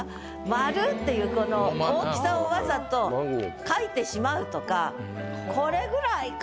「〇」っていうこの大きさをわざと書いてしまうとかこれぐらいかな。